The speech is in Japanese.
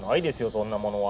そんなものは。